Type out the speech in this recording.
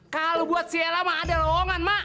kalau buat si ella mak ada lowongan mak